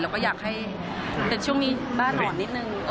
เราก็อยากให้แต่ช่วงนี้บ้านหนอนนิดหนึ่ง